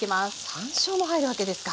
山椒も入るわけですか。